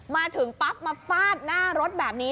มาถึงปั๊บมาฟาดหน้ารถแบบนี้